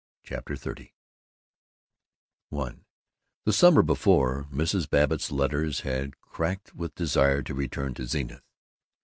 CHAPTER XXX I The summer before, Mrs. Babbitt's letters had crackled with desire to return to Zenith.